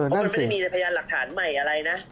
มันไม่มีพยานหลักฐานใหม่อะไรนะ